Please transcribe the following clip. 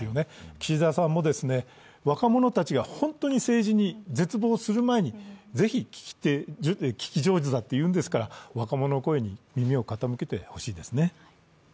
岸田さんも若者たちが本当に政治に絶望する前に聞き上手だと言うんですから、若者の声に耳を傾けてほしいですね。